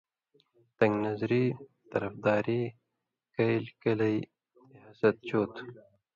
تن٘گ نظری، طرفداری، کئیل/کلیۡ تے حسد چو تُھو